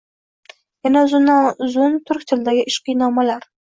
Yana uzundan-uzun turk tilidagi ishqiy nomalar